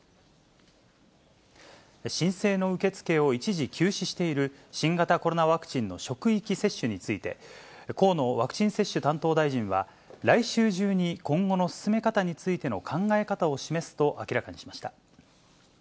申請の受け付けを一時休止している、新型コロナワクチンの職域接種について、河野ワクチン接種担当大臣は、来週中に今後の進め方についての考え方を示すと明らかにしました。